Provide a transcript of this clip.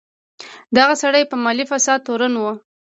دغه سړی په مالي فساد تورن و.